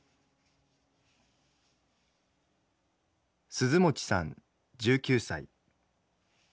鈴餅さん１９歳。